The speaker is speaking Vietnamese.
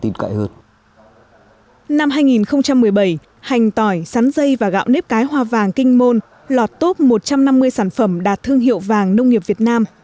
năm hai nghìn một mươi bảy hành tỏi sắn dây và gạo nếp cái hoa vàng kinh môn lọt top một trăm năm mươi sản phẩm đạt thương hiệu vàng nông nghiệp việt nam